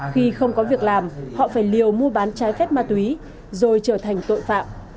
khi không có việc làm họ phải liều mua bán trái phép ma túy rồi trở thành tội phạm